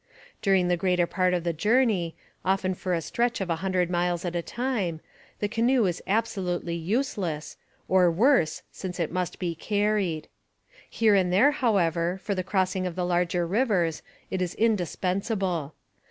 During the greater part of the journey, often for a stretch of a hundred miles at a time, the canoe is absolutely useless, or worse, since it must be carried. Here and there, however, for the crossing of the larger rivers, it is indispensable.